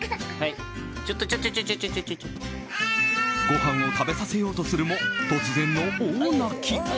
ごはんを食べさせようとするも突然の大泣き。